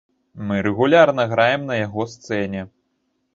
Мы рэгулярна граем на яго сцэне.